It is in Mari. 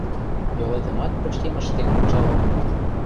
Йолетымат пычкемыште кычал ом му.